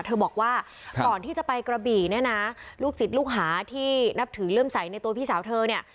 บอกว่าก่อนที่จะไปกระบี่เนี่ยนะลูกศิษย์ลูกหาที่นับถือเลื่อมใสในตัวพี่สาวเธอเนี่ย